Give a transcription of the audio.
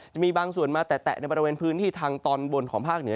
จะมีบางส่วนมาแตะในบริเวณพื้นที่ทางตอนบนของภาคเหนือ